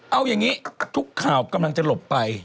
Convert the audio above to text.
เอาอย่างนี้ทุกข่าวกำลังจะหลบไป